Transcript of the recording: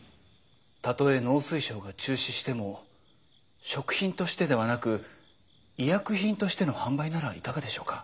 たとえ農水省が中止しても食品としてではなく医薬品としての販売ならいかがでしょうか？